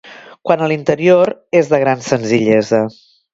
Quant a l'interior, és de gran senzillesa.